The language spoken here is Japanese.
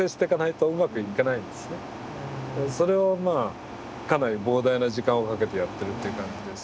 それをまあかなり膨大な時間をかけてやってるっていう感じです。